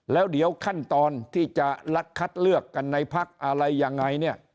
แล้วเดี๋ยวขั้นตอนที่จะคัดเลือกกันในพักอะไรยังไงเนี่ย